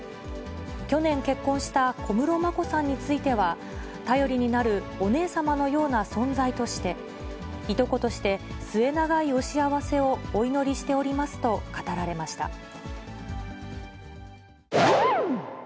去年結婚した小室眞子さんについては、頼りになるお姉様のような存在として、いとことして末永いお幸せをお祈りしておりますと語られました。